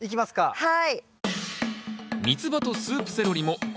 はい。